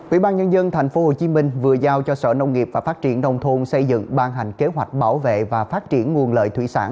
ubnd tp hcm vừa giao cho sở nông nghiệp và phát triển đông thôn xây dựng ban hành kế hoạch bảo vệ và phát triển nguồn lợi thủy sản